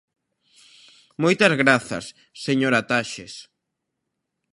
Moitas grazas, señora Taxes.